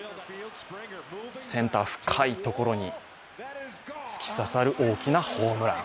センター深いところに突き刺さる大きなホームラン。